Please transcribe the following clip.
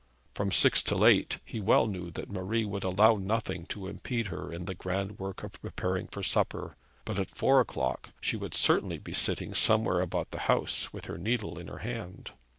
From six till eight he well knew that Marie would allow nothing to impede her in the grand work of preparing for supper; but at four o'clock she would certainly be sitting somewhere about the house with her needle in her hand.